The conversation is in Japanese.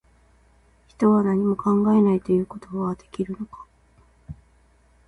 人は、何も考えないということはできるのか